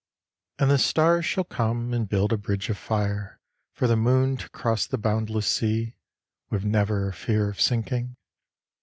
And the stars shall come and build a bridge of fire For the moon to cross the boundless sea, with never a fear of sinking.